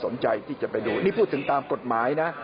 นี่พูดถึงตามกฎหมายนะ